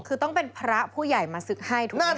คือต้องเป็นพระผู้ใหญ่มาศึกให้ถูกไหม